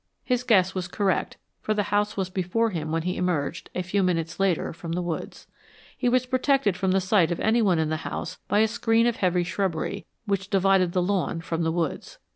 His guess was correct, for the house was before him when he emerged, a few minutes later, from the woods. He was protected from the sight of anyone in the house by a screen of heavy shrubbery, which divided the lawn from the woods.